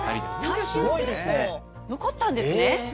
最終選考残ったんですね。